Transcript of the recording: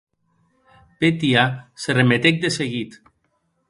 Petia se remetec de seguit.